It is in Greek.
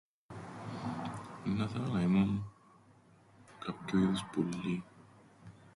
Εννά 'θελα να ήμουν κάποιου είδους πουλλίν.